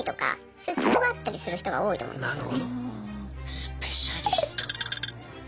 スペシャリストだ。